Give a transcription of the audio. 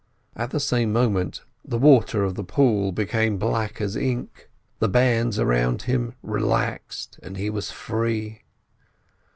At the same moment the water of the pool became black as ink, the bands around him relaxed, and he was free.